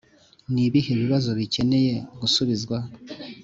ni ibihe bibazo bikeneye gusubizwa?